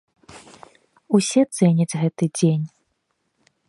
Усе цэняць гэты дзень.